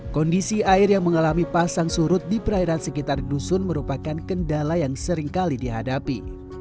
kondisi air yang mengalami pasang surut di perairan sekitar dusun merupakan kendala yang seringkali dihadapi